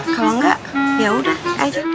kalo gak yaudah aja